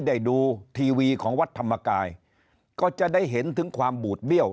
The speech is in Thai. ได้ดูทีวีของวัดธรรมกายก็จะได้เห็นถึงความบูดเบี้ยว